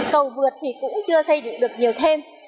cầu vượt thì cũng chưa xây dựng được nhiều thêm